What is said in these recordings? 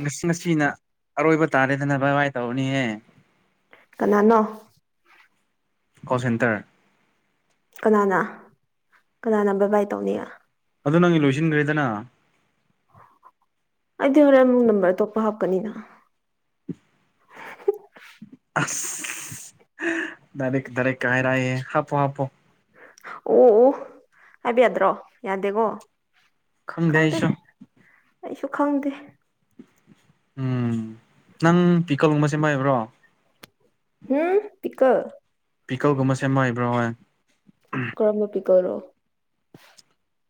ꯉꯁꯤ ꯉꯁꯤꯅ ꯑꯔꯣꯏꯕ ꯇꯥꯔꯦꯗꯅ ꯚꯕꯥꯥꯏ ꯇꯧꯔꯅꯤꯍꯦ ꯀꯅꯥꯅꯣ ꯀꯣꯜ ꯁꯦꯟꯇꯔ ꯀꯅꯥꯅ ꯀꯅꯥꯅ ꯕꯏ ꯕꯥꯏ ꯇꯧꯅꯤ ꯑꯗꯨ ꯅꯪꯒꯤ ꯂꯣꯏꯁꯤꯟꯈ꯭ꯔꯦꯗꯅ ꯑꯩꯗꯤ ꯍꯣꯔꯦꯟ ꯑꯃꯨꯛ ꯅꯝꯕꯔ ꯑꯇꯣꯞꯄ ꯍꯥꯞꯀꯅꯤꯅ ꯑꯁ ꯗꯔ ꯗꯔ ꯀꯔꯑ ꯍꯥꯣ ꯍꯥꯞꯄꯣ ꯑꯣ ꯍꯥꯏꯕꯤ ꯌꯥꯗ꯭ꯔꯣ ꯌꯥꯗꯦꯒꯣ ꯈꯪꯗꯦꯏꯁꯨꯣ ꯑꯩꯁꯨ ꯈꯪꯗꯦ ꯎꯝ ꯅꯪ ꯄꯤꯀꯜꯒꯨꯝꯕ ꯁꯦꯝꯦꯃꯕ꯭ꯔꯣ ꯎꯝ ꯄꯤꯀ ꯄꯤꯀꯜꯒꯨꯝꯕ ꯁꯦꯝꯃꯏꯕ꯭ꯔꯣ ꯍ ꯀꯔꯝꯕ ꯄꯤꯛ ꯑꯣꯏꯔꯣ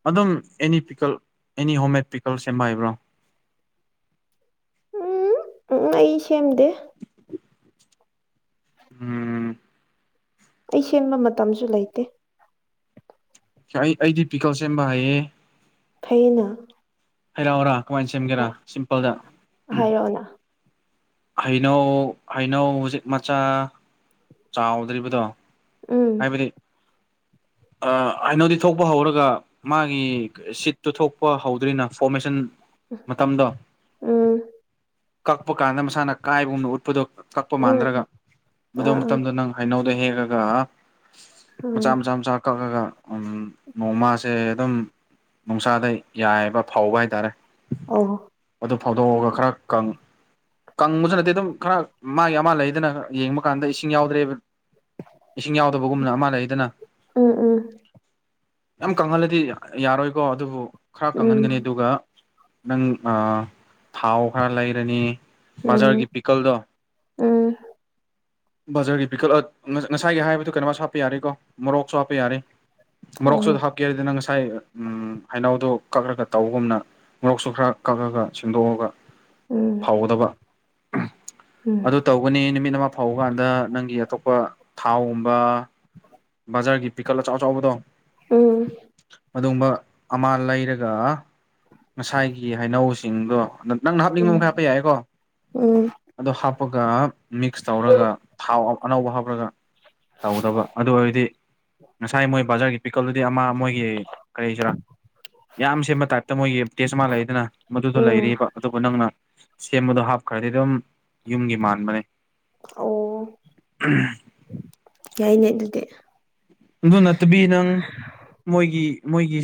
ꯑꯗꯨꯝ ꯑꯦꯅꯤ ꯄꯤꯀꯜ ꯑꯦꯅꯤ ꯍꯣꯝꯃꯦꯠ ꯄꯤꯀꯜ ꯁꯦꯝꯕ ꯍꯥꯏꯕ꯭ꯔꯣ ꯎꯝ ꯎ ꯑꯩ ꯁꯦꯝꯗꯦ ꯎꯝ ꯑꯩ ꯁꯦꯝꯦꯟꯕ ꯃꯇꯝꯁꯨ ꯂꯩꯇꯦ ꯑꯩ ꯑꯩꯗꯤ ꯄꯤꯀꯜ ꯁꯦꯝꯕ ꯍꯥꯏꯌꯦꯦ ꯊꯩꯅ ꯍꯩꯔꯥꯎꯑꯣꯔꯥ ꯀꯃꯥꯏꯅ ꯁꯦꯝꯒꯦꯔꯥ ꯁꯤꯝꯄꯜꯗ ꯍꯥꯏꯔꯛꯑꯣꯅ ꯍꯩꯅꯧ ꯍꯩꯅꯧ ꯍꯧꯖꯤꯛ ꯃꯆꯥ ꯆꯥꯎꯗ꯭ꯔꯤꯕꯗꯣ ꯎꯝ ꯍꯥꯏꯕꯗꯤ ꯑꯩꯅꯣꯗꯤ ꯊꯣꯛꯄ ꯍꯧꯔꯒ ꯃꯥꯒꯤ ꯁꯤꯠ ꯇꯠꯊꯣꯛꯄ ꯍꯧꯗ꯭ꯔꯤꯅ ꯐꯣꯔꯃꯦꯁꯟ ꯃꯇꯝꯗꯣ ꯎꯝ ꯀꯛꯄ ꯀꯥꯟꯗ ꯃꯁꯥꯅ ꯀꯥꯏꯕꯒꯨꯝꯅ ꯎꯠꯄꯗꯣ ꯀꯛꯄ ꯎꯝ ꯃꯥꯟꯗ꯭ꯔꯒ ꯃꯗꯨ ꯑꯥ ꯑꯥ ꯃꯇꯝꯗꯣ ꯅꯪ ꯍꯥꯏꯩꯅꯧ ꯑꯗꯨꯗ ꯍꯦꯛꯑꯒ ꯃꯆꯥ ꯎꯝ ꯃꯆꯥ ꯃꯆꯥ ꯀꯛꯑꯒ ꯎ ꯅꯣꯡꯃꯥꯁꯦ ꯑꯗꯨꯝ ꯅꯨꯡꯁꯥꯗ ꯌꯥꯏꯑꯕ ꯐꯥꯎꯕ ꯍꯥꯏꯇꯥꯔꯦ ꯑ ꯑꯗꯨ ꯐꯥꯎꯗꯣꯛꯑꯒ ꯈꯔ ꯀꯪꯉ ꯀꯪꯕꯁꯨ ꯅꯠꯇꯦ ꯑꯗꯨꯝ ꯈꯔ ꯃꯥꯒꯤ ꯑꯃ ꯂꯩꯗꯅ ꯌꯦꯡꯕ ꯀꯥꯟꯗ ꯏꯁꯤꯡ ꯌꯥꯎꯗ꯭ꯔꯦꯕ ꯏꯁꯤꯡ ꯌꯥꯎꯗꯕꯒꯨꯝꯅ ꯑꯃ ꯂꯩꯗꯅ ꯎꯝ ꯎꯝ ꯌꯥꯝ ꯀꯪꯍꯜꯂꯗꯤ ꯌꯥꯔꯣꯏꯀꯣ ꯑꯗꯨꯕꯨ ꯈꯔ ꯎꯝ ꯀꯪꯍꯟꯒꯅꯤ ꯑꯗꯨꯒ ꯅꯪ ꯊꯥꯎ ꯈꯔ ꯂꯩꯔꯅꯤ ꯕꯥꯖꯥꯔꯒꯤ ꯎꯝ ꯄꯤꯀꯜꯗꯣ ꯎꯝ ꯕꯖꯥꯔꯒꯤ ꯄꯤꯀꯠ ꯉꯁꯥꯏꯒꯤ ꯍꯥꯏꯕꯗꯨ ꯀꯩꯅꯣꯁꯨ ꯍꯥꯞꯄ ꯌꯥꯔꯦꯀꯣ ꯃꯣꯔꯣꯛꯁꯨ ꯍꯥꯞꯄ ꯌꯥꯔꯦ ꯑꯣ ꯃꯔꯣꯔꯣꯛꯁꯨ ꯑꯗꯨ ꯍꯥꯞꯀꯦꯔ ꯑꯗꯨꯅ ꯉꯁꯥꯏ ꯎ ꯍꯩꯅꯎꯗꯣ ꯀꯛꯂꯒ ꯇꯧꯕꯒꯨꯝꯅ ꯃꯣꯔꯣꯛꯁꯨ ꯈꯔ ꯀꯛꯑꯒ ꯁꯦꯡꯗꯣꯛꯑꯒ ꯎꯝ ꯐꯧꯗꯕ ꯎꯝ ꯑꯗꯨ ꯇꯧꯒꯅꯤ ꯅꯨꯃꯤꯠ ꯑꯃ ꯐꯥꯎꯕ ꯀꯥꯟꯗ ꯅꯪꯒꯤ ꯑꯇꯣꯞꯄ ꯊꯥꯎꯒꯨꯝꯕ ꯕꯖꯥꯔꯒꯤ ꯄꯤꯛꯀꯜ ꯑꯆꯥꯎ ꯑꯆꯕꯗꯣ ꯎꯝ ꯑꯗꯨꯒꯨꯝꯕ ꯑꯃ ꯂꯩꯔꯒ ꯉꯁꯥꯏꯒꯤ ꯍꯩꯅꯧꯁꯤꯡꯗꯣ ꯅꯪꯅ ꯍꯥꯞꯅꯤꯡꯕ ꯎꯝ ꯑꯃꯛ ꯍꯥꯞꯄ ꯌꯥꯏꯀꯣ ꯎꯝ ꯑꯗꯣ ꯍꯥꯞꯄꯒ ꯃꯤꯛꯁ ꯇꯧꯔꯒ ꯊꯥꯎ ꯑꯅꯧꯕ ꯍꯥꯞꯄꯒ ꯇꯧꯗꯕ ꯑꯗꯨ ꯑꯣꯏꯔꯗꯤ ꯉꯁꯥꯏ ꯃꯣꯏ ꯕꯖꯥꯔꯒꯤ ꯄꯤꯀꯜꯗꯨꯗꯤ ꯑꯃ ꯃꯣꯏꯒꯤ ꯀꯔꯤꯁꯤꯔꯥ ꯌꯥꯝ ꯁꯦꯝꯕ ꯇꯥꯏꯞꯇ ꯃꯣꯏꯒꯤ ꯇꯦꯁ ꯑꯃ ꯂꯩꯗꯅ ꯃꯗꯨꯗꯣ ꯎꯝ ꯂꯩꯔꯤꯕ ꯑꯗꯨꯒ ꯅꯪꯅ ꯁꯦꯝꯕꯗꯣ ꯍꯥꯞꯈ꯭ꯔꯗꯤ ꯑꯗꯨꯝ ꯌꯨꯝꯒꯤ ꯃꯥꯟꯕꯅꯦ ꯑꯣ ꯌꯥꯩꯅꯦ ꯑꯗꯨꯗꯤ ꯑꯗꯨ ꯅꯠꯇꯕꯤ ꯅꯪ ꯃꯣꯏꯒꯤ ꯃꯣꯏꯒꯤ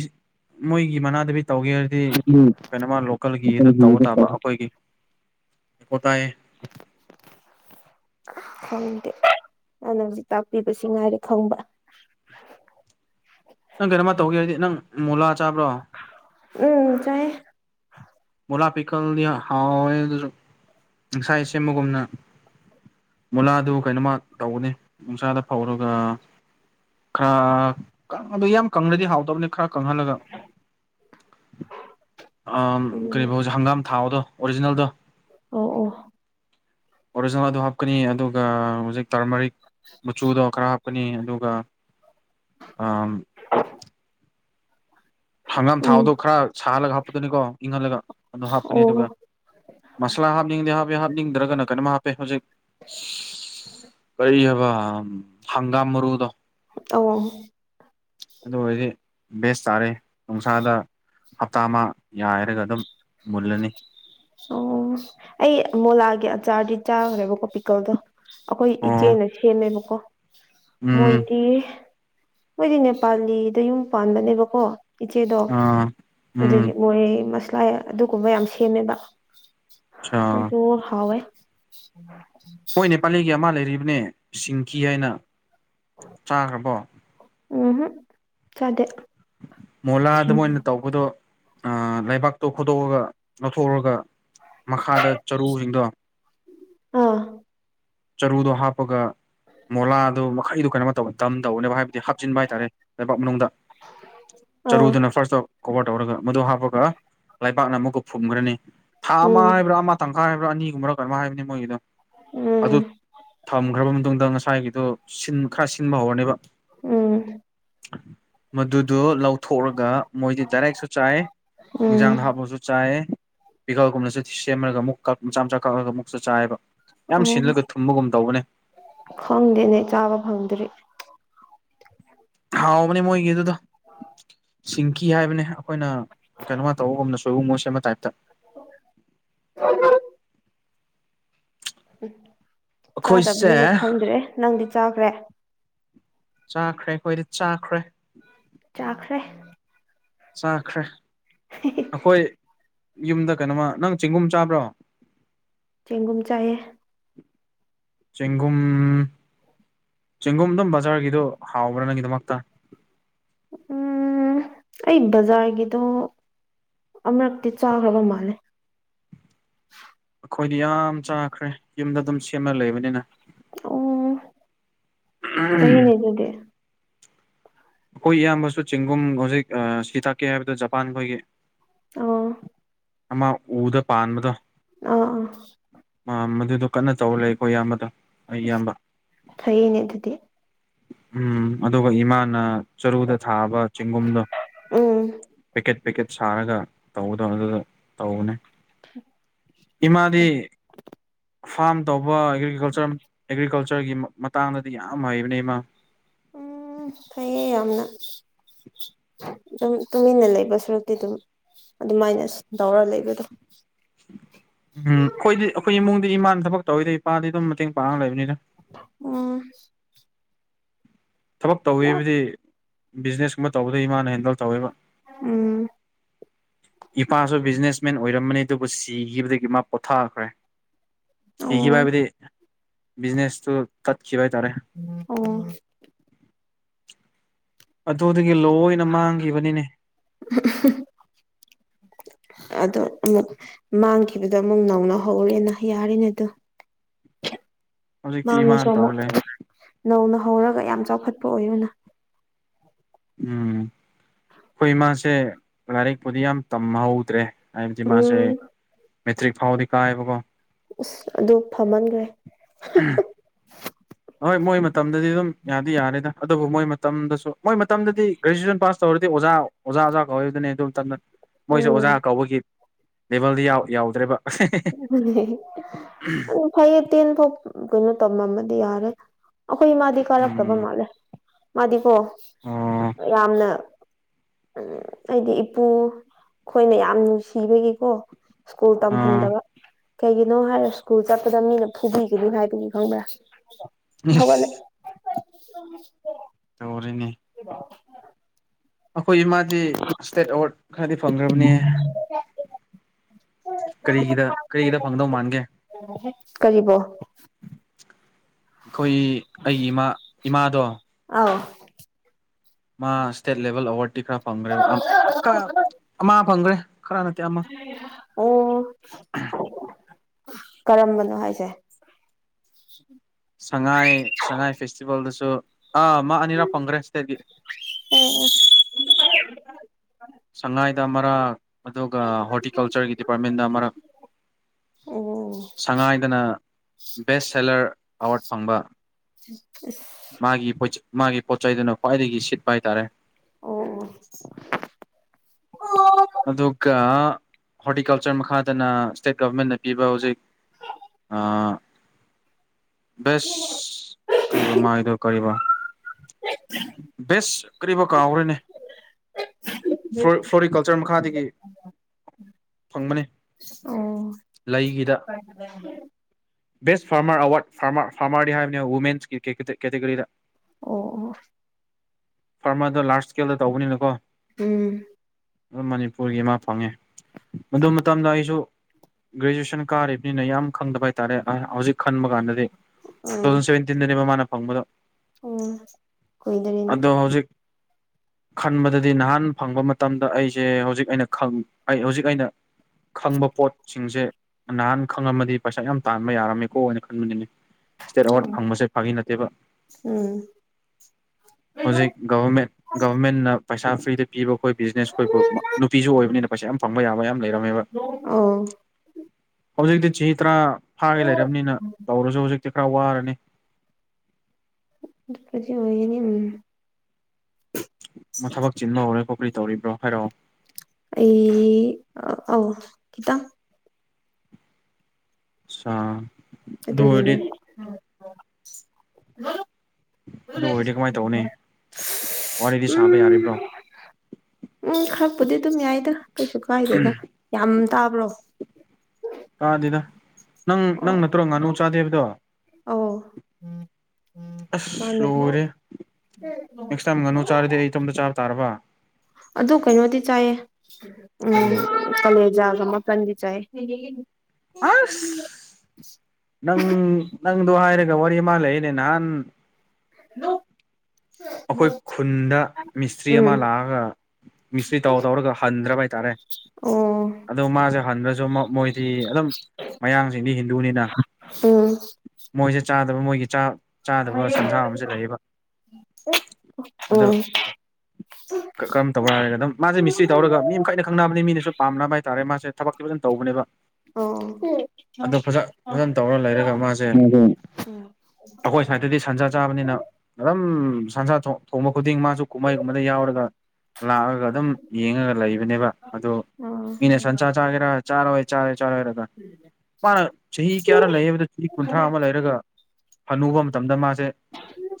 ꯃꯣꯏꯒꯤ ꯃꯅꯥꯗꯕꯤ ꯇꯧꯒꯦ ꯍꯥꯏꯔꯗꯤ ꯎꯝ ꯀꯩꯅꯣꯃ ꯂꯣꯀꯦꯜꯒꯤꯗ ꯇꯧꯕ ꯇꯥꯕ ꯑꯩꯈꯣꯏꯒꯤꯀꯣ ꯇꯥꯏ [unintelligible] ꯈꯪꯗꯦ ꯑꯗꯨꯅ ꯍꯧꯖꯤꯛ ꯇꯥꯛꯄꯤꯕꯕꯁꯤ ꯉꯥꯏꯔꯦ ꯈꯪꯕ [unintelligible] ꯅꯪ ꯀꯩꯅꯝꯃ ꯇꯧꯒꯦ ꯍꯥꯏꯗꯤ ꯅꯪ ꯃꯨꯂꯥ ꯆꯥꯕ꯭ꯔꯣ ꯎꯝ ꯆꯦ ꯑꯣꯂꯥ ꯄꯤꯀꯜꯗꯤ ꯍꯥꯎꯋꯦ ꯑꯗꯨꯁꯨ ꯉꯁꯥꯏ ꯁꯦꯝꯕꯒꯨꯝꯅ ꯃꯨꯂꯥꯗꯨ ꯀꯩꯅꯣꯃ ꯇꯧꯒꯅꯤ ꯅꯨꯡꯁꯥꯗ ꯐꯧꯔꯒ ꯈꯔ ꯑꯗꯨ ꯌꯥꯝ ꯀꯪꯅꯗꯤ ꯍꯥꯎꯗꯕꯅꯤ ꯈꯔ ꯀꯪꯍꯜꯂꯒ ꯀꯔꯤ ꯎꯝ ꯐꯥꯎꯁꯦ ꯍꯪꯒꯥꯝ ꯊꯥꯗꯣ ꯑꯣꯔꯤꯖꯤꯅꯦꯜꯗ ꯑ ꯑꯣ ꯑꯣꯔꯤꯖꯤꯅꯦꯜ ꯑꯗꯨ ꯍꯥꯞꯀꯅꯤ ꯑꯗꯨꯒ ꯍꯧꯖꯤꯛ ꯇꯔꯃꯔꯤꯛ ꯃꯆꯨꯗꯣ ꯈꯔ ꯀꯄꯅꯤ ꯑꯗꯨꯒ ꯍꯪꯒꯥꯝ ꯎꯝ ꯊꯥꯎꯗꯣ ꯈꯔ ꯁꯥꯍꯜꯂꯒ ꯍꯥꯞꯄꯗꯨꯅꯤꯀꯣ ꯏꯪꯍꯜꯂꯒ ꯑꯗꯨꯣ ꯍꯥꯞꯀꯅꯤ ꯑꯣ ꯑꯗꯨꯒ ꯃꯁꯂꯥ ꯍꯥꯞꯅꯤꯡꯗꯦ ꯍꯥꯞꯄꯦ ꯍꯥꯞꯅꯤꯡꯗ꯭ꯔꯒꯅ ꯀꯩꯅꯝ ꯍꯥꯞꯄꯦ ꯍꯧꯖꯤꯛ ꯀꯩ ꯍꯥꯏꯕ ꯍꯪꯒꯥ ꯃꯔꯨꯗ ꯑ ꯑꯗꯨ ꯑꯣꯏꯔꯗꯤ ꯕꯦꯁ ꯇꯥꯔꯦ ꯅꯨꯡꯁꯥꯗ ꯍꯞꯇꯥ ꯑꯃ ꯌꯥꯏꯔꯒ ꯑꯗꯨꯝ ꯃꯣꯜꯂꯅꯤ ꯑꯣ ꯑꯩ ꯑꯃꯨ ꯂꯥꯛꯑꯒꯦ ꯑꯆꯥꯥꯔꯗꯤ ꯆꯥꯈ꯭ꯔꯦꯕꯀꯣ ꯄꯤꯀꯜꯗꯣ ꯑꯩꯈꯣꯏ ꯑꯣ ꯏꯆꯦꯅ ꯁꯦꯝꯃꯦꯕꯀꯣ ꯎꯝ ꯃꯣꯏꯗꯤ ꯃꯣꯏꯗꯤ ꯅꯦꯄꯥꯂꯤꯗ ꯌꯨꯝ ꯄꯥꯟꯕꯅꯦꯕꯀꯣ ꯏꯆꯦꯗꯣ ꯑꯥ ꯎꯝ ꯑꯗꯨꯗꯒꯤ ꯃꯣꯔꯦ ꯃꯁꯂꯥ ꯑꯗꯨꯒꯨꯝꯕ ꯌꯥꯝ ꯁꯦꯝꯃꯦꯕ ꯑꯆꯥ ꯑꯗꯨꯗꯣ ꯍꯋꯥꯦ ꯍꯣꯏꯅꯦ ꯄꯥꯂꯒꯤ ꯑꯃ ꯂꯩꯔꯤꯕꯅꯦ ꯁꯤꯡꯀꯤ ꯍꯥꯏꯅ ꯆꯥꯈ꯭ꯔꯕꯣ ꯎꯝꯍꯝ ꯆꯗꯦ ꯃꯣꯂꯥꯗ ꯃ ꯑꯣꯏꯅ ꯇꯧꯕꯗꯣ ꯂꯩꯕꯥꯛꯇꯣ ꯈꯣꯠꯇꯣꯛꯑꯒ ꯂꯧꯊꯣꯛꯔꯒ ꯃꯈꯥꯗ ꯆꯔꯨꯁꯤꯡꯗꯣ ꯑꯥ ꯆꯔꯨꯗꯣ ꯍꯥꯞꯄꯒ ꯃꯣꯂꯥꯗꯨ ꯃꯈꯩꯗꯨꯣ ꯀꯩꯅꯣ ꯇꯧ ꯇꯝ ꯇꯧꯅꯦꯕ ꯍꯥꯏꯕꯗꯤ ꯍꯥꯞꯆꯤꯟꯕ ꯍꯥꯏꯇꯥꯔꯦ ꯂꯩꯕꯥꯛ ꯃꯅꯨꯡꯗ ꯑꯥ ꯆꯔꯨꯗꯨꯅ ꯐꯔꯁ ꯀꯣꯕꯔ ꯇꯧꯔꯒ ꯃꯗꯨ ꯍꯥꯞꯄꯒ ꯂꯩꯕꯥꯛꯅ ꯑꯃꯨꯛꯀ ꯐꯨꯝꯈ꯭ꯔꯅꯤ ꯊꯥ ꯑꯃ ꯎꯝ ꯍꯥꯏꯕ꯭ꯔꯥ ꯑꯃ ꯍꯥꯏ꯭ꯔꯥꯅꯤꯒꯨꯝꯕꯥ ꯀꯃꯝꯣ ꯍꯥꯏꯅꯤ ꯃꯒꯤꯗꯣ ꯎꯝ ꯊꯝꯈ꯭ꯔꯕ ꯃꯇꯨꯡꯗ ꯉꯁꯥꯏꯒꯤꯗꯨ ꯁꯤꯟ ꯈꯔ ꯁꯤꯟꯕ ꯍꯧꯔꯅꯦꯕ ꯎꯝ ꯃꯗꯨꯗꯣ ꯂꯧꯊꯣꯛꯑꯒ ꯃꯣꯏꯗꯤ ꯗꯥꯏꯔꯦꯛꯁꯨ ꯆꯥꯏ ꯎꯝ ꯏꯟꯖꯥꯡꯗ ꯍꯥꯞꯄꯁꯨ ꯆꯥꯏ ꯄꯤꯀꯥꯒꯨꯝꯅꯁꯨꯦ ꯁꯦꯝꯃꯔꯒ ꯑꯃꯨꯛ ꯃꯆꯥ ꯃꯆꯥ ꯀꯥꯂꯒ ꯑꯃꯨꯛꯁꯨ ꯆꯥꯏꯑꯕ ꯌꯥꯝ ꯑꯣ ꯁꯤꯜꯂꯒ ꯊꯨꯝꯕꯒꯨꯝ ꯇꯧꯕꯅꯦ ꯈꯪꯗꯦꯅꯦ ꯆꯥꯕ ꯐꯪꯗ꯭ꯔꯤ ꯍꯥꯎꯕꯅꯦ ꯃꯣꯏꯒꯤꯗꯨꯗꯣ ꯑꯣ ꯁꯤꯡꯀꯤ ꯍꯥꯏꯕꯅꯦ ꯑꯩꯈꯣꯏꯅ ꯀꯩꯅꯣꯃ ꯇꯧꯕꯒꯨꯝꯅ ꯁꯣꯏꯕꯨꯝ ꯃꯣꯏ ꯁꯦꯝꯕ ꯇꯥꯏꯞꯇ ꯑꯗꯨ ꯎꯝ ꯑꯩꯈꯣꯏꯁꯦ ꯆꯥꯗꯕꯅꯤꯅ ꯈꯪꯗ꯭ꯔꯦ ꯅꯪꯗꯤ ꯆꯥꯈ꯭ꯔꯦ ꯆꯥꯈ꯭ꯔꯦ ꯑꯩꯈꯣꯏꯗꯤ ꯆꯥꯈ꯭ꯔꯦ ꯆꯥꯈ꯭ꯔꯦ ꯆꯥꯈ꯭ꯔꯦ ꯑꯩꯈꯣꯏ ꯌꯨꯝꯗ ꯀꯩꯅꯣꯃ ꯅꯪ ꯆꯦꯡꯒꯨꯝ ꯆꯥꯕ꯭ꯔꯣ ꯆꯦꯡꯒꯨꯝ ꯆꯥꯏꯌꯦ ꯆꯒꯨꯝ ꯆꯦꯡꯒꯨꯝ ꯑꯗꯨꯝ ꯕꯖꯥꯔꯒꯤꯗꯣ ꯍꯥꯎꯕ꯭ꯔꯥ ꯅꯪꯒꯤꯗꯃꯛꯇ ꯎꯝ ꯑꯩ ꯕꯖꯥꯔꯒꯤꯗꯣ ꯑꯃꯨꯔꯛꯇꯤ ꯆꯥꯈ꯭ꯔꯕ ꯃꯥꯜꯂꯦ [unintelligible] ꯑꯩꯈꯣꯏꯗꯤ ꯌꯥꯝ ꯆꯥꯈ꯭ꯔꯦ ꯌꯨꯝꯗ ꯑꯗꯨꯝ ꯁꯦꯝꯃ ꯂꯩꯕꯅꯤꯅ ꯑꯣ ꯐꯩꯌꯦꯅꯦ ꯑꯗꯨꯗꯤ ꯑꯩꯈꯣꯏ ꯏꯌꯥꯝꯕꯁꯨ ꯆꯤꯡꯒꯨꯝ ꯍꯧꯖꯤꯛ ꯁꯤ ꯇꯥꯛꯀꯦ ꯍꯥꯏꯕꯗ ꯖꯄꯥꯟ ꯑꯩꯈꯣꯏꯒꯤ ꯑ ꯑꯃ ꯎꯗ ꯄꯥꯟꯕꯗꯣ ꯑꯥ ꯑꯥ ꯃꯗꯨꯗꯣ ꯀꯟꯅ ꯇꯧꯔ ꯂꯩꯦ ꯑꯩꯈꯣꯏ ꯑꯌꯥꯝꯕꯗ ꯑꯁ ꯐꯩꯌꯦꯅꯦ ꯑꯗꯨꯗꯤ ꯎꯝ ꯑꯗꯨꯒ ꯏꯃꯥꯅ ꯆꯔꯨꯗ ꯊꯥꯕ ꯆꯦꯡꯒꯨꯝꯗꯣ ꯎꯝ ꯄꯦꯀꯦꯠ ꯄꯦꯀꯦꯠ ꯁꯥꯔꯒ ꯇꯧꯕꯗꯣ ꯑꯗꯨꯗ ꯇꯧꯕꯅꯦ ꯏꯃꯥꯗꯤ ꯐꯥꯝ ꯇꯧꯕ ꯑꯦꯒ꯭ꯔꯤꯀꯜꯆꯔ ꯑꯦꯒ꯭ꯔꯤꯀꯜꯆꯔꯒꯤ ꯃꯇꯥꯡꯗꯗꯤ ꯌꯥꯝ ꯍꯩꯕꯅꯤ ꯏꯃ ꯎꯝ ꯐꯩꯌꯦ ꯌꯥꯝꯅ ꯑꯗꯨꯝ ꯇꯨꯃꯤꯟꯅ ꯂꯩꯕ ꯁꯨꯔꯨꯛꯇꯤ ꯑꯗꯨꯝ ꯑꯗꯨꯃꯥꯏꯅ ꯇꯧꯔ ꯂꯩꯕꯗꯣ ꯎꯝ ꯑꯩꯈꯣꯏꯗꯤ ꯑꯩꯈꯣꯏꯒꯤ ꯏꯃꯨꯡꯗꯤ ꯏꯃꯥꯅ ꯊꯕꯛ ꯇꯧꯔꯤꯗ ꯏꯄꯥꯗꯤ ꯑꯗꯨꯝ ꯃꯇꯦꯡ ꯄꯥꯡꯉꯒ ꯂꯩꯕꯅꯤꯗ ꯎꯝ ꯊꯕꯛ ꯇꯧꯋꯤꯕꯨꯗꯤ ꯕꯤꯖꯤꯅꯦꯁꯀꯨꯝꯕ ꯇꯧꯕꯗ ꯏ ꯃꯥꯥꯅ ꯍꯦꯟꯗꯜ ꯇꯧꯋꯦꯕ ꯎꯝ ꯏꯄꯥꯁꯨ ꯕꯤꯖꯤꯅꯦꯁꯃꯦꯟ ꯑꯣꯏꯔꯝꯕꯅꯤ ꯑꯗꯨꯕꯨ ꯁꯤꯈꯤꯕꯗꯒꯤ ꯃꯥ ꯄꯣꯊꯥꯈ꯭ꯔꯦ ꯑꯣ ꯁꯤꯈꯤꯕ ꯍꯥꯏꯕꯗꯤ ꯕꯤꯖꯤꯅꯦꯁ ꯇꯨ ꯇꯠ ꯑꯣ ꯑꯗꯨꯗꯒꯤ ꯂꯣꯏꯅ ꯃꯥꯡꯈꯤꯕꯅꯤꯅꯦ ꯑꯗꯣ ꯑꯃꯨꯛ ꯃꯥꯡꯈꯤ ꯈꯤꯕꯗꯣ ꯑꯃꯨꯛ ꯅꯧꯅ ꯍꯧꯔꯦꯅ ꯌꯥꯔꯤꯅꯦ ꯑꯗ ꯍꯧꯖꯤꯛꯇꯤ ꯃꯥꯡꯉ ꯏꯃꯥꯅ ꯁꯄ ꯇꯧ ꯑꯃꯨꯛ ꯂꯩ ꯅꯧꯅ ꯍꯧꯔꯒ ꯌꯥꯝ ꯆꯥꯎꯈꯠꯄ ꯑꯣꯏꯌꯨꯅ ꯎꯝ ꯑꯩꯈꯣꯏ ꯏ ꯃꯥꯥꯁꯦ ꯂꯥꯏꯔꯤꯛꯄꯨꯗꯤ ꯌꯥꯝ ꯇꯝꯍꯧꯗ꯭ꯔꯦ ꯍꯥꯏꯕꯗꯤ ꯃꯥꯁꯦ ꯎꯝ ꯃꯦꯇ꯭ꯔꯤꯛ ꯐꯥꯎꯗꯤ ꯀꯥꯏꯕꯀꯣ ꯎꯁ ꯑꯗꯨ ꯐꯝꯍꯟꯈ꯭ꯔꯦ ꯎ ꯌꯥꯗꯤ ꯌꯥꯔꯦꯗ ꯑꯗꯨꯕꯨ ꯃꯣꯏ ꯃꯇꯝꯗꯁꯨ ꯃꯣꯏ ꯃꯇꯝꯗꯗꯤ ꯒ꯭ꯔꯦꯖꯨꯋꯦꯁꯟ ꯄꯥꯁ ꯇꯧꯔꯗꯤ ꯑꯣꯖꯥ ꯑꯣꯖꯥ ꯑꯣꯖꯥ ꯀꯧꯗꯨꯅꯤ ꯑꯗꯨ ꯃꯇꯝꯗ ꯃꯣꯏꯁꯨꯦ ꯎꯝ ꯑꯣꯖꯥ ꯀꯧꯕꯒꯤ ꯂꯦꯚꯦꯜꯗꯤ ꯌꯥꯎꯗ꯭ꯔꯦꯕ ꯑꯗꯨ ꯐꯩꯌꯦ ꯇꯦꯟ ꯐꯥꯎ ꯀꯩꯅꯣ ꯇꯝꯃꯝꯃꯗꯤ ꯌꯥꯔꯦ ꯑꯩꯈꯣꯏ ꯃꯥꯗꯤ ꯀꯥꯔꯛꯇꯕ ꯎꯝ ꯃꯥꯜꯂꯦ ꯃꯥꯗꯤꯀꯣ ꯑꯣ ꯌꯥꯝꯅ ꯎꯝ ꯑꯩꯗꯤ ꯏꯄꯨ ꯑꯩꯈꯣꯏꯅ ꯌꯥꯝ ꯅꯨꯡꯁꯤꯕꯒꯤꯀꯣ ꯁ꯭ꯀꯨꯜ ꯑꯥ ꯇꯝꯍꯟꯗꯕ ꯀꯩꯒꯤꯅꯣ ꯍꯥꯏꯔꯣ ꯁ꯭ꯀꯨꯜ ꯆꯠꯄꯗ ꯃꯤꯅ ꯐꯨꯕꯤꯒꯅꯤ ꯍꯥꯏꯕꯅꯤ ꯈꯪꯕ꯭ꯔꯥ ꯍꯧꯒꯠꯂꯦ ꯇꯧꯔꯤꯅꯤ ꯑꯩꯈꯣꯏ ꯏꯃꯥꯗꯤ ꯏꯁꯇꯦꯠ ꯑꯦꯋꯥꯔꯗ ꯈꯔꯗꯤ ꯐꯪꯈ꯭ꯔꯕꯅꯦ ꯀꯔꯤꯒꯤꯗ ꯀꯔꯤꯒꯤꯗ ꯐꯪꯗꯧ ꯃꯥꯟꯒꯦ ꯀꯔꯤꯕꯣ ꯑꯩꯈꯣꯏ ꯑꯩꯒꯤ ꯏꯃꯥ ꯏꯃꯥꯗꯣ ꯑꯥꯎ ꯃꯥ ꯏꯁꯇꯦꯠ ꯂꯦꯚꯦꯜ ꯑꯦꯋꯥꯔꯗꯇꯤ ꯈꯔ ꯐꯪꯈ꯭ꯔꯦꯕ ꯐꯪꯈ꯭ꯔꯦ ꯈꯔ ꯅꯠꯇꯦꯃ ꯑꯣ ꯀꯔꯝꯕꯅꯣ ꯍꯥꯏꯁꯦ ꯁꯉꯥꯏ ꯁꯉꯥꯏ ꯐꯦꯁꯇꯤꯚꯦꯜꯗꯁꯨ ꯑꯥ ꯃꯥ ꯑꯅꯤꯔꯛꯄꯪꯒ꯭ꯔꯦ ꯏꯁꯇꯦꯠꯒꯤ ꯁꯉꯥꯏꯗ ꯑꯃꯔꯛ ꯑꯗꯨꯒ ꯍꯣꯔꯇꯤꯀꯜꯆꯔꯒꯤ ꯗꯤꯄꯥꯔꯠꯃꯦꯟꯗ ꯑꯃꯔꯛ ꯎꯝ ꯁꯉꯥꯏꯗꯅ ꯕꯦꯁ ꯁꯦꯂꯔ ꯑꯦꯋꯥꯔꯠ ꯐꯪꯕ ꯃꯥꯒꯤ ꯃꯥꯒꯤ ꯄꯣꯠ ꯆꯩꯗꯨꯅ ꯈ꯭ꯋꯥꯏꯗꯒꯤ ꯁꯤꯠꯄ ꯍꯥꯏꯇꯥꯔꯦ ꯑꯣ ꯑꯗꯨꯒ ꯍꯣꯔꯇꯤꯀꯜꯆꯔ ꯃꯈꯥꯗꯅ ꯏꯁꯇꯦꯠ ꯒꯚꯔꯃꯦꯟꯅ ꯄꯤꯕ ꯍꯧꯖꯤꯛ ꯑꯥ ꯕꯦꯁ ꯀꯔꯤꯕ ꯃꯥꯏꯗꯣ ꯀꯔꯤꯕ ꯕꯦꯁ ꯀꯔꯤꯔꯤꯕ ꯀꯥꯈ꯭ꯔꯦꯅꯦ ꯐ꯭ꯂꯣꯔꯤꯀꯜꯆ ꯈꯥꯗꯗꯒꯤ ꯐꯪꯕꯅꯤ ꯑꯣ ꯑꯣ ꯂꯩꯒꯤꯗ ꯕꯁ ꯐꯥꯔꯃꯔ ꯑꯦꯋꯥꯔꯗ ꯐꯥꯔ ꯐꯥꯔꯃꯔꯗꯤ ꯍꯥꯏꯕꯅꯤ ꯋꯨꯃꯦꯟꯁꯀꯤ ꯀꯦꯇꯦꯒꯣꯔꯤꯗ ꯑꯣ ꯐꯥꯔꯃꯗꯣ ꯂꯥꯔꯖ ꯏꯁꯀꯦꯜꯗ ꯇꯧꯕꯅꯤꯅꯀꯣ ꯎꯝ ꯑꯗꯨꯝ ꯃꯅꯤꯄꯨꯔꯒꯤ ꯑꯃ ꯐꯪꯉꯦ ꯃ ꯃꯇꯝꯗ ꯑꯩꯁꯨ ꯒ꯭ꯔꯦꯖꯨꯋꯦꯁꯟ ꯀꯥꯔꯤꯕꯅꯤꯅ ꯌꯥꯝ ꯈꯪꯗꯕ ꯍꯥꯏꯇꯥꯔꯦ ꯍꯧꯖꯤꯛ ꯈꯟꯕ ꯀꯥꯟꯗꯗꯤ ꯇꯨ ꯎꯝ ꯊꯥꯎꯖꯟ ꯁꯚꯦꯟꯇꯤꯟꯗ ꯃꯃꯥꯅ ꯐꯪꯕꯗꯣ ꯎꯝ ꯀꯏꯗꯔꯤꯅꯤ ꯑꯗꯣ ꯍꯧꯖꯤꯛ ꯈꯟꯕꯗꯗꯤ ꯅꯍꯥꯟ ꯐꯪꯕ ꯃꯇꯝꯗ ꯑꯩ ꯁꯦ ꯍꯧꯖꯤꯛ ꯑꯩꯅ ꯑꯩ ꯍꯧꯖꯤꯛ ꯑꯩꯅ ꯈꯪꯕ ꯄꯣꯠꯁꯤꯡꯁꯦ ꯅꯍꯥꯟ ꯈꯪꯉꯝꯃꯗꯤ ꯄꯩꯁꯥ ꯌꯥꯝ ꯇꯥꯟꯕ ꯌꯥꯔꯝꯃꯦꯀꯣꯅ ꯈꯟꯕꯅꯤꯅꯦ ꯏꯁꯇꯦꯠ ꯑꯦꯋꯥꯔꯗ ꯎꯝ ꯐꯪꯕꯁꯦ ꯐꯥꯒꯤ ꯅꯠꯇꯦꯕ ꯎꯝ ꯍꯧꯖꯤꯛ ꯒꯚꯔꯃꯦꯟ ꯒꯚꯔꯃꯦꯟꯅ ꯄꯩꯁꯥ ꯐ꯭ꯔꯤꯗ ꯄꯤꯕ ꯑꯩꯈꯣꯏ ꯕꯤꯖꯤꯅꯦꯁ ꯑꯩꯈꯣꯏ ꯅꯨꯄꯤꯁꯨ ꯑꯣꯏꯕꯅꯤꯅ ꯄꯁ ꯌꯥꯝ ꯐꯪꯕ ꯌꯥꯕ ꯌꯥꯝ ꯂꯩꯔꯝꯃꯦꯕ ꯑ ꯍꯧꯖꯤꯛꯇꯤ ꯆꯍꯤ ꯇꯔꯥ ꯐꯥꯒꯦ ꯂꯩꯔꯕꯅꯤꯅ ꯇꯧꯔꯁꯨ ꯍꯧꯖꯤꯛꯇꯤ ꯈꯔ ꯋꯥꯔꯅꯤ ꯑꯗꯨꯄꯗꯤ ꯑꯣꯏꯅꯤ ꯎꯝ ꯊꯕꯛ ꯆꯤꯟꯕ ꯍꯧꯔꯦ ꯀꯣ ꯀ꯭ꯔꯤ ꯇꯧꯔꯤꯕ꯭ꯔꯣ ꯍꯥꯏꯔꯛꯑꯣ ꯑꯦ ꯑ ꯀꯈꯤꯗ ꯑꯆꯥꯥ ꯑꯗꯨꯇꯒꯤꯅꯦ ꯑꯗꯨ ꯑꯣꯏꯔꯗꯤ ꯀꯃꯥꯏꯅ ꯇꯧꯅꯤ ꯋꯥꯔꯤꯗꯤ ꯁꯥꯕ ꯎꯝ ꯌꯥꯔꯤꯕ꯭ꯔꯣ ꯎꯝ ꯈꯔꯛꯄꯨꯗꯤ ꯑꯗꯨꯝ ꯌꯥꯏꯗ ꯀꯩꯁꯨ ꯀꯥꯏꯗꯦꯗ ꯌꯥꯝ ꯇꯥꯕ꯭ꯔꯣ ꯑꯥ ꯑꯗꯨꯗ ꯅꯪ ꯅꯪ ꯅꯠꯇ꯭ꯔꯣ ꯉꯥꯅꯨ ꯆꯥꯗꯦꯕꯗꯣ ꯑꯧ ꯃꯥꯅꯦ ꯑꯁ꯭ꯂꯔꯤ ꯅꯦꯛꯁ ꯇꯥꯏꯝ ꯉꯥꯅꯨ ꯆꯥꯔꯗꯤ ꯑꯩ ꯏꯇꯣꯝꯇ ꯆꯥꯕ ꯇꯥꯔꯕ ꯑꯗꯨ ꯀꯩꯅꯣꯗꯤ ꯆꯥꯏꯌꯦ ꯎꯝ ꯀꯔꯤ ꯀꯂꯦꯖꯒ ꯀꯗꯤ ꯆꯑ ꯑꯁ ꯅꯪ ꯅꯪꯗꯣ ꯍꯥꯏꯔꯒ ꯋꯥꯔꯤ ꯃꯥꯜꯂꯏꯅꯦ ꯅꯍꯥꯟ [unintelligible] ꯑꯩꯈꯣꯏ ꯈꯨꯟꯗ ꯃꯤꯁꯇ꯭ꯔꯤ ꯑꯃ ꯎꯝ ꯂꯥꯛꯑꯒ ꯃꯤꯁꯇ꯭ꯔꯤ ꯇꯧ ꯇꯧꯔꯒ ꯍꯟꯗ꯭ꯔꯕ ꯍꯥꯏꯇꯥꯔꯦ ꯑꯣ ꯑꯗꯣ ꯃꯥꯁꯦ ꯍꯟ꯭ꯔ ꯃꯣꯏꯗꯤ ꯑꯗꯨꯝ ꯃꯌꯥꯡꯁꯤꯡꯗꯤ ꯍꯤꯟꯗꯨꯅꯤꯅ ꯎꯝ ꯃꯣꯏꯁꯦ ꯆꯥꯗꯕ ꯃꯣꯏꯒꯤ ꯆꯥꯛ ꯆꯥꯗꯕ ꯁꯟꯖꯥ ꯑꯃꯁꯨ ꯂꯩꯌꯦꯕ ꯑꯗꯣ ꯎꯝ ꯀꯔꯝ ꯇꯧꯔ ꯍꯥꯏꯔꯦ ꯑꯗꯨꯝ ꯃꯥꯁꯦ ꯃꯤꯁꯇ꯭ꯔꯤ ꯇꯧꯔꯒ ꯃꯤ ꯑꯃ ꯃꯈꯥꯏꯩꯅ ꯈꯪꯅꯕꯅꯤ ꯃꯤꯅꯁꯨ ꯄꯥꯝꯅꯕ ꯍꯥꯏꯇꯥꯥꯔꯦ ꯃꯥꯁꯦ ꯊꯕꯛꯇꯤ ꯐꯖꯅ ꯇꯧꯕꯅꯦꯕ ꯑꯗꯣ ꯐꯖ ꯑꯣ ꯐꯖꯅ ꯇꯧꯔ ꯂꯩꯔꯒ ꯃꯥꯁꯦ ꯍ [unintelligible] ꯑꯩꯈꯣꯏ ꯁꯥꯏꯗꯠꯇꯗꯤ [inaudible] ꯁꯟꯁꯥ ꯆꯥꯕꯅꯤꯅ ꯑꯗꯨꯝ ꯁꯟꯖꯥ ꯈꯨꯗꯤꯡ ꯃꯥꯁꯨ ꯀꯨꯝꯍꯩꯒꯨꯝꯕꯗ ꯌꯥꯎꯔꯒ ꯂꯥꯛꯑꯒ ꯑꯗꯨꯝ ꯌꯦꯡꯉꯒ ꯂꯩꯕꯅꯦꯕ ꯑꯗꯨ ꯑꯣ ꯃꯤꯅꯦ ꯁꯆꯥ ꯆꯒꯔ ꯆꯥ ꯑꯣꯏ ꯆꯥꯔꯦ ꯆꯥꯔꯣꯏꯔꯒ ꯃꯥꯅ ꯆꯍꯤ ꯀꯌꯥꯅ ꯂꯩꯕꯗ ꯆꯍꯤ ꯀꯨꯟꯊ꯭ꯔꯥ ꯑꯃ ꯂꯩꯔꯒ ꯐꯅꯨꯕ ꯃꯇꯝꯗ ꯃꯥꯁꯦ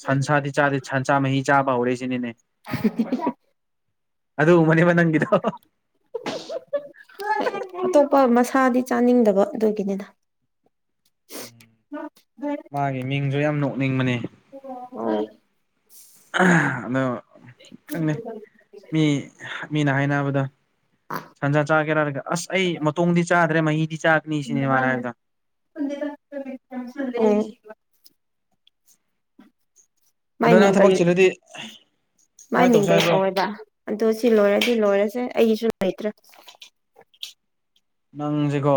ꯁꯟꯁꯥꯗꯤ ꯆꯥꯗꯦ ꯁꯟꯁꯥ ꯃꯍꯤ ꯆꯥꯕ ꯍꯧꯔꯛꯏꯁꯤꯅꯤꯅꯦ [unintelligible] [inaudible] ꯑꯗꯨꯗ ꯃꯅꯦ ꯃꯅꯪ ꯇ [unintelligible] [inaudible] ꯁꯥꯗꯤ ꯆꯥꯅꯤꯡꯗꯕ ꯑꯗꯨꯒꯤꯅꯤꯅ ꯃꯥꯒꯤ ꯃꯤꯡꯁꯨ ꯌꯥꯝ ꯅꯣꯛꯅꯤꯡꯕꯅꯦ ꯍꯣꯏ ꯑꯗꯣ ꯈꯪꯉ ꯃꯤ ꯃꯤꯅ ꯍꯥꯏꯅꯕꯗ ꯁꯟꯖꯥ ꯆꯥꯒꯦꯔꯥꯔꯒ ꯑꯁ ꯑꯩ ꯃꯇꯣꯡꯗꯤ ꯆꯥꯗ꯭ꯔꯦ ꯃꯍꯤꯗꯤ ꯆꯥꯒꯅꯤ ꯁꯤꯅꯦ ꯃꯥꯅ ꯍꯥꯏꯕꯗꯣ [unintelligible] [inaudible] ꯑꯗꯣ ꯅꯪ ꯃꯥꯏꯅꯤꯡ ꯀ ꯊꯕꯛ ꯆꯤꯜꯂꯗꯤ ꯀꯃꯥꯏꯅ ꯇꯧꯁꯦ ꯃꯅꯤꯡꯈꯩ ꯍꯥꯏꯕ꯭ꯔꯣ ꯇꯧꯋꯦꯕ ꯑꯗꯣ ꯁꯤ ꯂꯣꯏꯔꯁꯤ ꯂꯣꯏꯔꯁꯦ ꯑꯩꯒꯤꯁꯨ ꯃꯩꯇ꯭ꯔ ꯅꯪꯁꯤꯀꯣ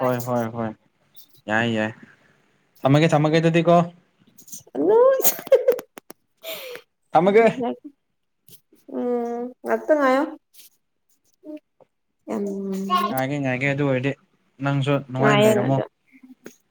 ꯍꯣꯏ ꯍꯣꯏ ꯍꯣꯏ ꯌꯥꯏ ꯌꯥꯏ ꯆꯃꯒꯦ ꯆꯃꯒꯦꯇꯇꯀꯣ ꯅꯣꯏ ꯊꯝꯃꯒꯦ ꯎꯝ ꯑꯛꯇ ꯉꯣ ꯉꯥꯏꯒꯦ ꯉꯥꯏꯒꯦ ꯑꯗꯨ ꯑꯣꯏꯔꯗꯤ ꯅꯪꯁꯨ ꯅꯨꯡꯉꯥꯏꯅ ꯉꯥꯏꯌꯦ ꯂꯩꯔꯝꯃꯣ ꯑꯗꯣ